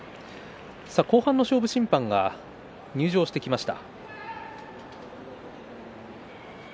後半の勝負審判が入場してきました。